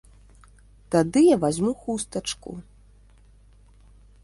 Тады я вазьму хустачку!